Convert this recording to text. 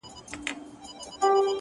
خداى دي كړي خير گراني څه سوي نه وي؛